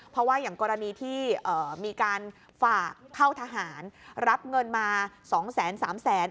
เพราะว่าอย่างกรณีที่มีการฝากเข้าทหารรับเงินมา๒๓แสน